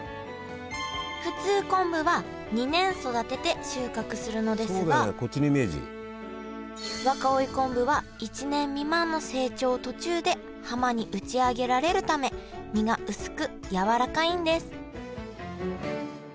普通昆布は２年育てて収穫するのですが若生昆布は１年未満の成長途中で浜に打ち上げられるため身が薄く柔らかいんです